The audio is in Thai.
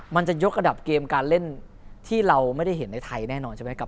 มันจะยกระดับเกมการเล่นที่เราไม่ได้เห็นในไทยแน่นอนใช่ไหมครับ